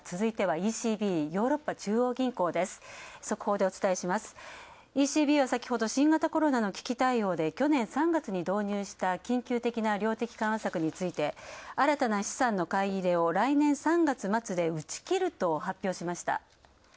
ＥＣＢは先ほど新型コロナの危機対応で去年３月に対応した導入した緊急的な量的緩和策について、新たな資産の買い入れを来年３月末で打ち切ると発表しました。